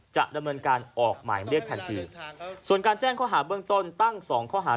จะดำเนินการออกหมายเรียกทันทีส่วนการแจ้งข้อหาเบื้องต้นตั้งสองข้อหา